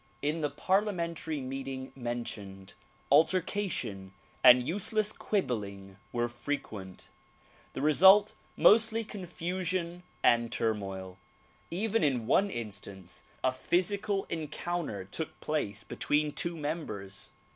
In the parliamentary meeting men tioned, altercation and useless quibbling were frequent; the result mostly confusion and turmoil ; even in one instance a physical en counter took place between two members.